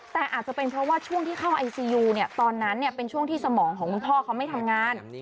แต่อาจจะเป็นเพราะว่าช่วงที่เข้าไอซียูเนี่ยตอนนั้นเป็นช่วงที่สมองของคุณพ่อเขาไม่ทำงาน